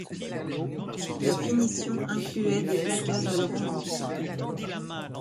La finition incluait des placages à l’or fin.